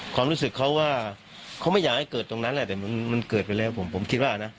ความรู้สึกเขาว่าเขาไม่อยากให้เกิดตรงนั้นแหละแต่มันเกิดไปแล้วผมผมคิดว่านะ